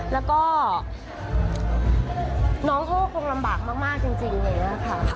แล้วก็น้องโธคคงลำบากมากจริงเลยนะคะ